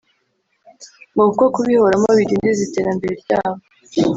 ngo kuko kubihoramo bidindiza iterambere ryabo